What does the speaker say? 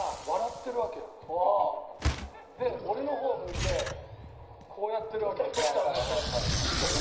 で俺の方向いてこうやってるわけよ徳さん泣いて。